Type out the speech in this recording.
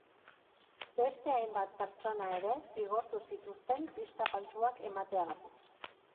Beste hainbat pertsona ere zigortu zituzten pista faltsuak emateagatik.